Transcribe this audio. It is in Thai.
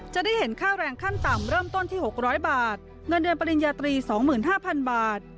จะได้เห็นค่าแรงขั้นต่ำเริ่มต้นที่หกร้อยบาทเงินเดือนปริญญาตรีสองหมื่นห้าพันบาท